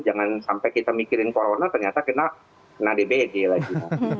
jangan sampai kita mikirin corona ternyata kena dbd lagi